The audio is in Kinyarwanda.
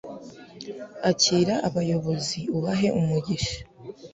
akira abayobozi, ubahe umugisha